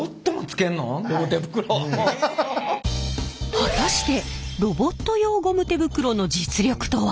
果たしてロボット用ゴム手袋の実力とは？